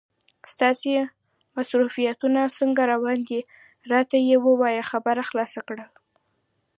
ستاسې مصروفیتونه څنګه روان دي؟ راته یې وویل خبره خلاصه ده.